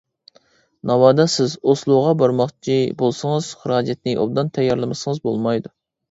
ناۋادا سىز ئوسلوغا بارماقچى بولسىڭىز، خىراجەتنى ئوبدان تەييارلىمىسىڭىز بولمايدۇ.